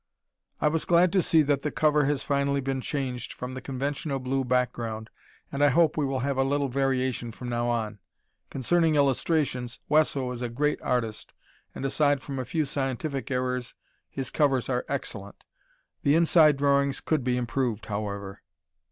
I was glad to see that the cover has finally been changed from the conventional blue background, and I hope we will have a little variation from now on. Concerning illustrations, Wesso is a great artist, and aside from a few scientific errors his covers are excellent. The inside drawings could be improved, however.